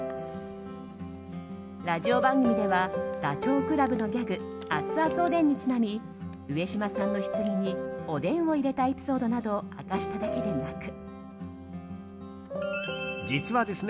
ラジオ番組ではダチョウ倶楽部のギャグアツアツおでんにちなみ上島さんのひつぎにおでんを入れたエピソードを明かしただけではなく。